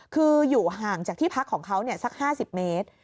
คืออยู่ห่างจากที่พักของเขาสัก๕๐เมตร